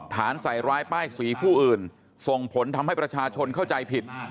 ใส่ร้ายป้ายสีผู้อื่นส่งผลทำให้ประชาชนเข้าใจผิด